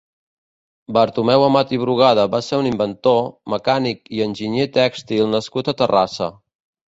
Bartomeu Amat i Brugada va ser un inventor, mecànic i enginyer tèxtil nascut a Terrassa.